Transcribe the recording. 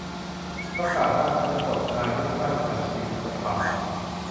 ประกาศตั้งและปลดนายกราชบัณฑิตยสภา